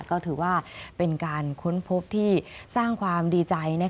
ก็ถือว่าเป็นการค้นพบที่สร้างความดีใจ